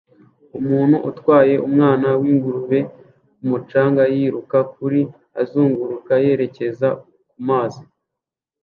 Umuntu utwaye umwana w'ingurube ku mucanga yiruka kuri azunguruka yerekeza kumazi